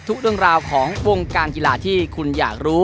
เรื่องราวของวงการกีฬาที่คุณอยากรู้